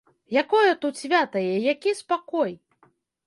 Якое тут свята і які спакой!